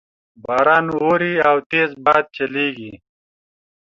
باران اوري او تیز باد چلیږي